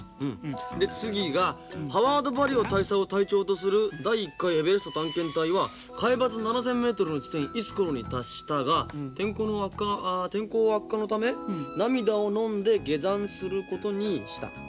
で次がハワード・バリオ大佐を隊長とする第一回エベレスト探検隊は海抜七千メートルの地点イス・コルに達したが天候の悪化が天候悪化のため涙をのんで下山することにした。